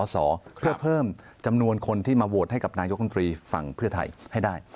สอเพื่อเพิ่มจำนวนคนที่มาโหวตให้กับนายกรรมตรีฝั่งเพื่อไทยให้ได้